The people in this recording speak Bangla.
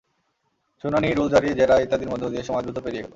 শুনানি, রুল জারি, জেরা ইত্যাদির মধ্যে দিয়ে সময় দ্রুত পেরিয়ে গেল।